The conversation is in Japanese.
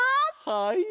はい！